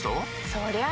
そりゃあ